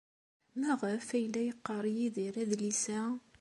Maɣef ay la yeqqar Yidir adlis-a?